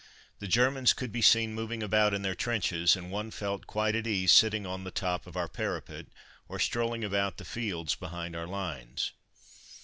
The Germans could be seen moving about in their trenches, and one felt quite at ease sitting on the top of our parapet or strolling about the fields behind our lines.